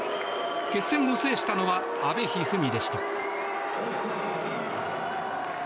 決戦を制したのは阿部一二三でした。